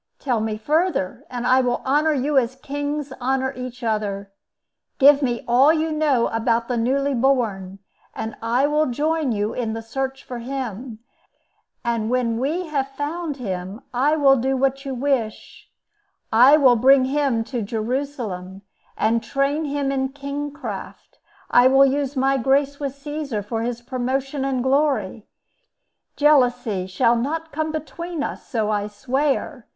Tell me further, and I will honor you as kings honor each other. Give me all you know about the newly born, and I will join you in the search for him; and when we have found him, I will do what you wish; I will bring him to Jerusalem, and train him in kingcraft; I will use my grace with Caesar for his promotion and glory. Jealousy shall not come between us, so I swear.